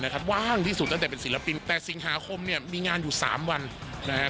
แต่สิงหาคมเนี่ยมีงานอยู่สามวันนะฮะ